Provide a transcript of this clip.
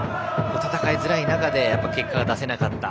戦いづらい中で結果を出せなかった。